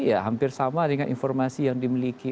ya hampir sama dengan informasi yang dimiliki